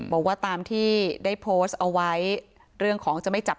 บอกว่าตามที่ได้โพสต์เอาไว้เรื่องของจะไม่จับ